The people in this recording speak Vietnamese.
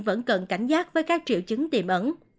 vẫn cần cảnh giác với các triệu chứng tiềm ẩn